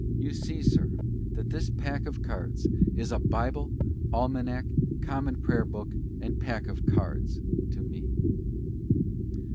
You see, sir, that this pack of cards is a Bible, Almanack, Common Prayer book, and Pack of Cards to me."